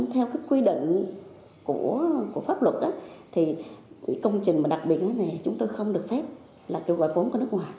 theo quy định của pháp luật thì công trình đặc biệt này chúng tôi không được phép là kiểu gọi vốn của nước ngoài